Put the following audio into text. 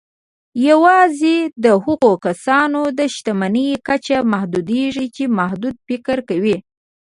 يوازې د هغو کسانو د شتمني کچه محدودېږي چې محدود فکر کوي.